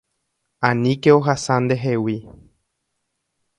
Aníke ohasa ndehegui.